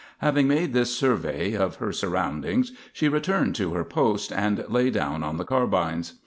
Having made this survey of her surroundings, she returned to her post and lay down on the carbines.